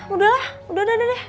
udah lah udah deh